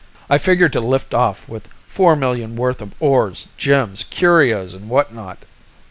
I figured to lift off with four million worth of ores, gems, curios, and whatnot."